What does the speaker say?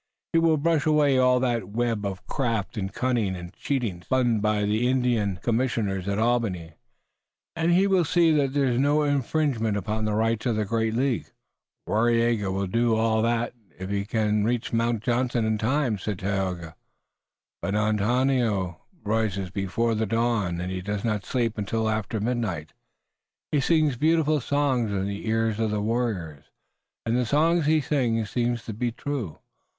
He will brush away all that web of craft, and cunning and cheating, spun by the Indian commissioners at Albany, and he will see that there is no infringement upon the rights of the great League." "Waraiyageh will do all that, if he can reach Mount Johnson in time," said Tayoga, "but Onontio rises before the dawn, and he does not sleep until after midnight. He sings beautiful songs in the ears of the warriors, and the songs he sings seem to be true.